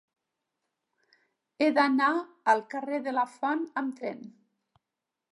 He d'anar al carrer de Lafont amb tren.